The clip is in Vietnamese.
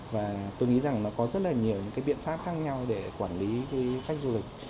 và tôi nghĩ rằng nó có rất là nhiều những cái biện pháp khác nhau để quản lý khách du lịch